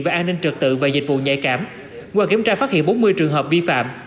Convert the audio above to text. về an ninh trực tự và dịch vụ nhạy cảm qua kiểm tra phát hiện bốn mươi trường hợp vi phạm